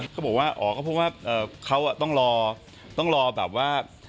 เขาบอกว่าเขาต้องรอต้องรอแบบว่า